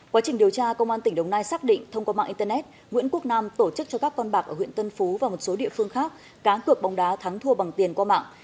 quá trình điều tra công an tỉnh đồng nai xác định thông qua mạng internet nguyễn quốc nam tổ chức cho các con bạc ở huyện tân phú và một số địa phương khác cá cược bóng đá thắng thua bằng tiền qua mạng